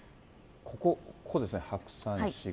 ここ、ここですね、白山市、